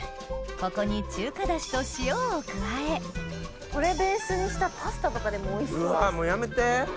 ここに中華ダシと塩を加えこれベースにしたパスタとかでもおいしそうですね。